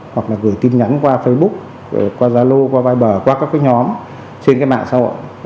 hoặc gửi tin nhắn qua facebook qua zalo qua viber qua các nhóm trên mạng xã hội